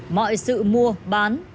lê sữa lê nâu là của hàn